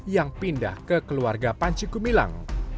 yang pindah ke keluarga panji gumilang